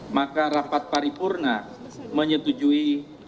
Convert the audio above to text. maka rapat paripurna menyetujui